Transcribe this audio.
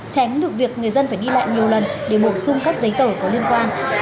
tránh được việc người dân phải đi lại nhiều lần để bổ sung các giấy tờ có liên quan